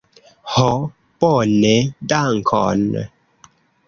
Ho, bone, dankon.